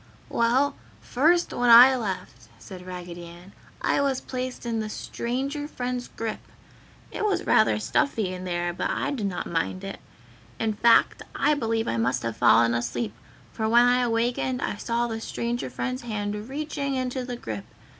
"Well, first when I left," said Raggedy Ann, "I was placed in the Stranger Friend's grip. It was rather stuffy in there, but I did not mind it; in fact I believe I must have fallen asleep, for when I awakened I saw the Stranger Friend's hand reaching into the grip.